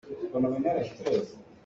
Ka baa tuk .